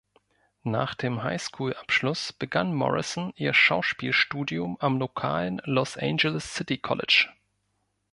Nach dem High-School-Abschluss begann Morrison ihr Schauspielstudium am lokalen Los Angeles City College.